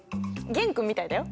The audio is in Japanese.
玄君みたいだよ。